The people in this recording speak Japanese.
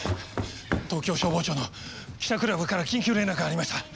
東京消防庁の記者クラブから緊急連絡がありました。